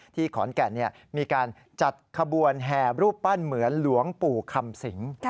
ขอนแก่นมีการจัดขบวนแห่รูปปั้นเหมือนหลวงปู่คำสิง